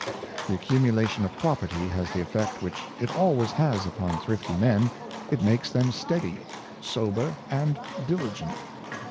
The accumulation of property has the effect which it always has upon thrifty men; it makes them steady, sober, and diligent.